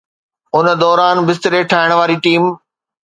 ان دوران، بستري ٺاهڻ واري ٽيم